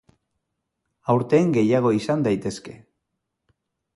Aurten gehiago izan daitezke.